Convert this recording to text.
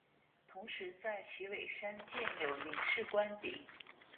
同时在旗尾山建有领事官邸。